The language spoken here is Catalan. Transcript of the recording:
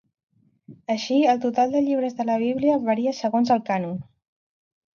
Així, el total de llibres de la Bíblia varia segons el cànon.